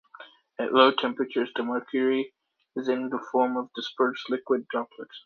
At low temperatures the mercury is in the form of dispersed liquid droplets.